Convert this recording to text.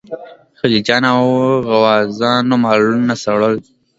خلجیانو او غوزانو مالونه څرول.